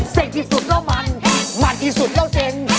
ที่สุดแล้วมันมันที่สุดแล้วเซ็น